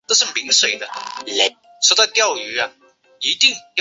它们在酸性溶液中的电势介于过氧化氢的电势之间。